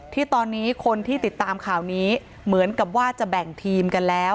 ที่ตอนนี้คนที่ติดตามข่าวนี้เหมือนกับว่าจะแบ่งทีมกันแล้ว